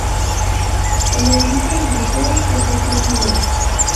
El edificio del museo posee tres niveles.